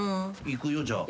いくよじゃあ。